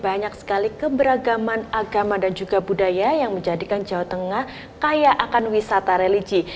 banyak sekali keberagaman agama dan juga budaya yang menjadikan jawa tengah kaya akan wisata religi